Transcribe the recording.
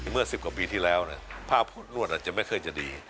เมื่อสิบกว่าปีที่แล้วภาพนวดอาจจะไม่เคยจะดี